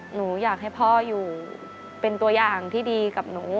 หนูอยากให้พ่ออยู่เป็นตัวอย่างที่ดีกับหนู